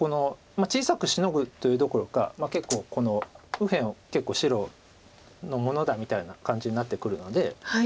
まあ小さくシノぐどころか結構この右辺を結構白のものだみたいな感じになってくるので。